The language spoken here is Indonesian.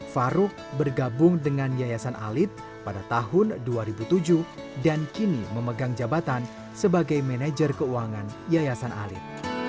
faruk bergabung dengan yayasan alit pada tahun dua ribu tujuh dan kini memegang jabatan sebagai manajer keuangan yayasan alit